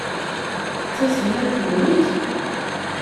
D taselmadt-nwent?